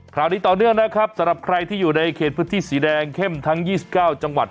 คราวนี้ต่อเนื่องนะครับสำหรับใครที่อยู่ในเขตพื้นที่สีแดงเข้มทั้ง๒๙จังหวัด